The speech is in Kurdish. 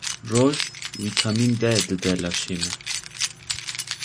Roj vîtamîn D dide laşê me